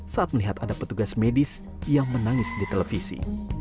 saat melihat ada petugas medis yang menangis di televisi